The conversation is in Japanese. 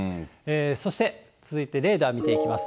そして、続いてレーダー見ていきます。